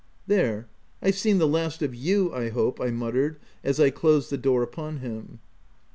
" There ! I've seen the last of you, I hope," I muttered as I closed the door upon him.